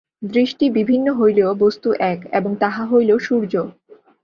দৃষ্টি বিভিন্ন হইলেও বস্তু এক, এবং তাহা হইল সূর্য।